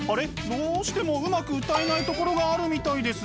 どうしてもうまく歌えないところがあるみたいです。